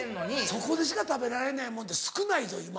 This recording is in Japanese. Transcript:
そこでしか食べられないもんって少ないぞ今。